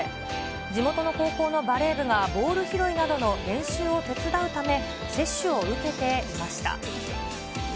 地元の高校のバレー部がボール拾いなどの練習を手伝うため、接種を受けていました。